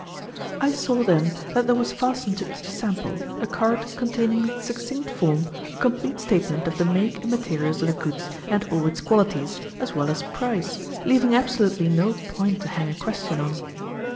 I saw then that there was fastened to each sample a card containing in succinct form a complete statement of the make and materials of the goods and all its qualities, as well as price, leaving absolutely no point to hang a question on.